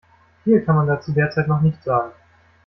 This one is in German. Viel kann man dazu derzeit noch nicht sagen.